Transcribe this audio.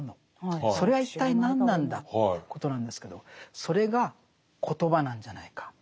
それは一体何なんだということなんですけどそれが「コトバ」なんじゃないか。